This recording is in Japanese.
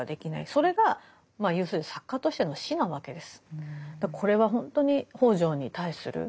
それがまあ要するに作家としての死なわけです。